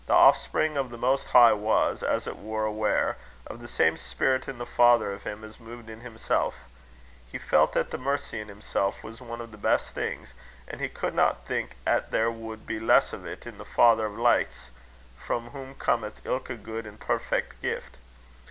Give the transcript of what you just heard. The offspring o' the Most High was, as it were, aware o' the same spirit i' the father o' him, as muved in himsel'. He felt 'at the mercy in himsel' was ane o' the best things; an' he cudna think 'at there wad be less o't i' the father o' lichts, frae whom cometh ilka guid an' perfeck gift.